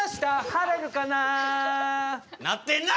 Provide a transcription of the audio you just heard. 「晴れるかな」